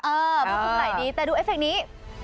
เออคุมไหล่ดีแต่ดูเอฟเฟคต์นี้